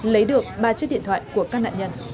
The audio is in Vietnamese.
lấy được ba chiếc điện thoại của các nạn nhân